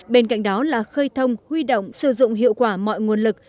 bên cạnh đó là khơi thông huy động sử dụng hiệu quả mọi nguồn lực